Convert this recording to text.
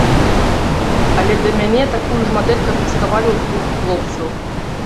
Але да мяне такую ж мадэль канфіскавалі ў двух хлопцаў.